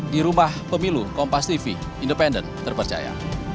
di rumah pemilu kompas tv independen terpercaya